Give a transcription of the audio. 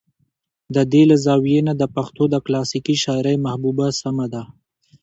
د دې له زاويې نه د پښتو د کلاسيکې شاعرۍ محبوبه سمه ده